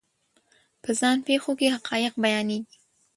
په ځان پېښو کې حقایق بیانېږي.